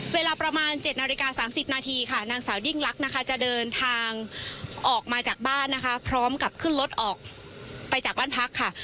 เวลาประมาณ๗นาฬิกา๓๐นาทีค่ะนางสาวยิ่งลักษณ์นะคะจะเดินทางออกมาจากบ้านนะคะพร้อมกับขึ้นรถออกไปจากบ้านพักค่ะ